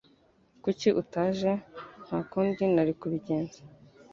Kuki utaje?" "Nta kundi nari kubigenza."